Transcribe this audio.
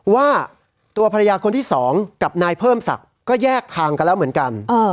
ว่าตัวภรรยาคนที่๒กับนายเพิ่มศักดิ์ก็แยกทางกันแล้วเหมือนกัน